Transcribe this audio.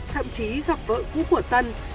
thậm chí gặp vợ cũ của tân